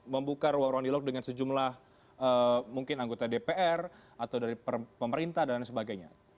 membuka ruang ruang dialog dengan sejumlah mungkin anggota dpr atau dari pemerintah dan sebagainya